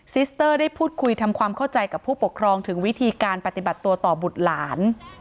ซิสเตอร์ได้พูดคุยทำความเข้าใจกับผู้ปกครองถึงวิธีการปฏิบัติตัวต่อบุตรหลาน